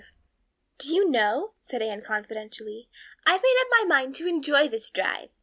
Anne's History DO you know," said Anne confidentially, "I've made up my mind to enjoy this drive.